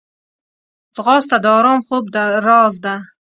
ځغاسته د ارام خوب راز ده